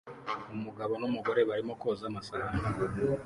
Umugabo n'umugore barimo koza amasahani